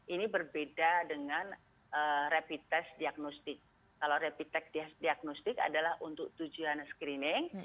ini berbeda dengan rapid test diagnostik kalau rapid test diagnostik adalah untuk tujuan screening